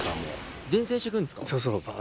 伝染して行くんですか？